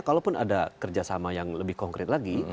kalaupun ada kerjasama yang lebih konkret lagi